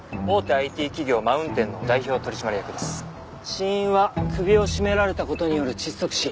死因は首を絞められた事による窒息死。